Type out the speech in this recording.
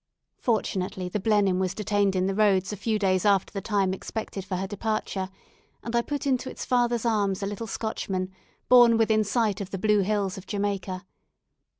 Fortunately the "Blenheim" was detained in the roads a few days after the time expected for her departure, and I put into its father's arms a little Scotchman, born within sight of the blue hills of Jamaica.